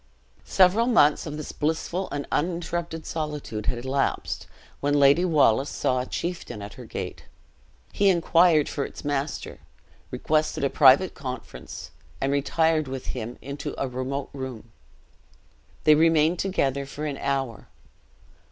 Several months of this blissful and uninterrupted solitude had elapsed, when Lady Wallace saw a chieftain at her gate. He inquired for its master requested a private conference and retired with him into a remote room. They remained together for an hour.